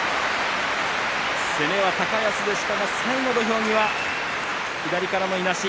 攻めは高安でしたが最後、土俵際、左からのいなし。